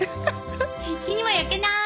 日にも焼けない！